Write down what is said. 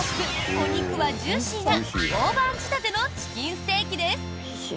お肉はジューシーな大判仕立てのチキンステーキです。